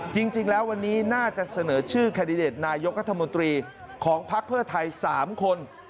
จริงแล้ววันนี้น่าจะเสนอชื่อแคนดิเดตนายกรัฐมนตรีของภักดิ์เพื่อไทย๓คน